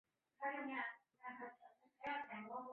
全景廊街。